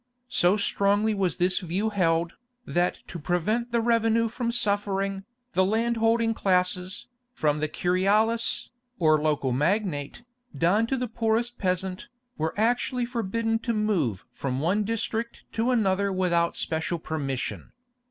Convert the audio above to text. So strongly was this view held, that to prevent the revenue from suffering, the land holding classes, from the curialis, or local magnate, down to the poorest peasant, were actually forbidden to move from one district to another without special permission.